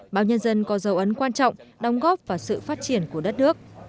báo nhân dân có dấu ấn quan trọng đóng góp vào sự phát triển của đất nước